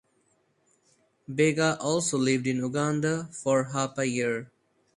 Bega also lived in Uganda for half a year.